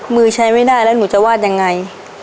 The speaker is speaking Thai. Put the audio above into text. มือใช้ไม่ได้แล้วหนูจะวาดยังไง